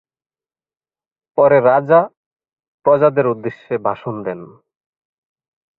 পরে রাজা প্রজাদের উদ্দেশে ভাষণ দেন।